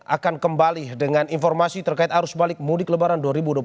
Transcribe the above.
akan kembali dengan informasi terkait arus balik mudik lebaran dua ribu dua puluh tiga